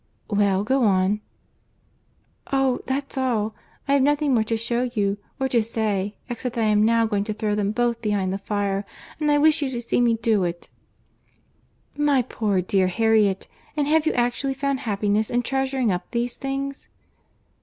— "Well, go on." "Oh! that's all. I have nothing more to shew you, or to say—except that I am now going to throw them both behind the fire, and I wish you to see me do it." "My poor dear Harriet! and have you actually found happiness in treasuring up these things?"